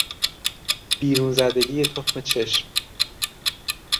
بیرون زدگی تخم چشم